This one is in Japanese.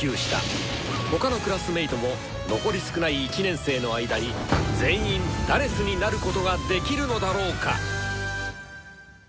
他のクラスメートも残り少ない１年生の間に全員「４」になることができるのだろうか？